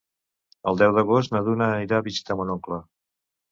El deu d'agost na Duna anirà a visitar mon oncle.